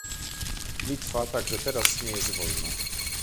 Litwa także teraz nie jest wolna